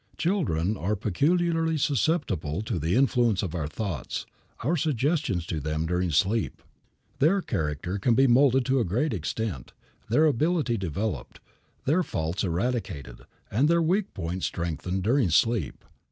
Children are peculiarly susceptible to the influence of our thoughts, our suggestions to them during sleep. Their character can be molded to a great extent, their ability developed, their faults eradicated, and their weak points strengthened during sleep.